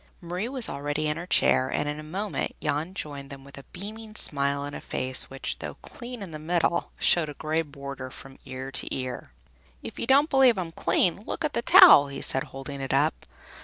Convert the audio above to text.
Marie was already in her chair, and in a moment Jan joined them with a beaming smile and a face which, though clean in the middle, showed a gray border from ear to ear. "If you don't believe I'm clean, look at the towel!" he said, holding it up.